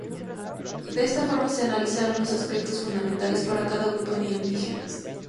De esta forma se analizaron los aspectos fundamentales para cada grupo de indígenas.